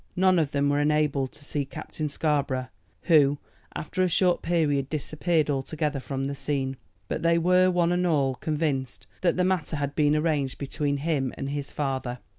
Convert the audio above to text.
None of them were enabled to see Captain Scarborough, who, after a short period, disappeared altogether from the scene. But they were, one and all, convinced that the matter had been arranged between him and his father.